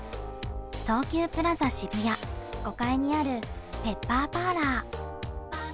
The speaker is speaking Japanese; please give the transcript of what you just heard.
東急プラザ渋谷５階にあるペッパーパーラー。